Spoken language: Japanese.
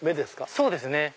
そうですね。